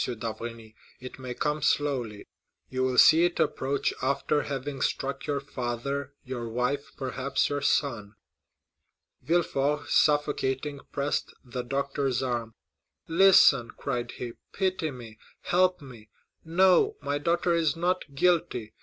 d'Avrigny, "it may come slowly; you will see it approach after having struck your father, your wife, perhaps your son." Villefort, suffocating, pressed the doctor's arm. 40124m "Listen," cried he; "pity me—help me! No, my daughter is not guilty.